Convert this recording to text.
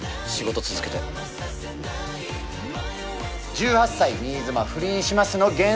１８歳、新妻、不倫します。